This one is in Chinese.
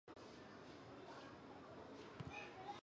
拥有头骨的动物称为有头动物。